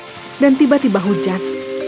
airnya sangat cerah dan tiba tiba hujan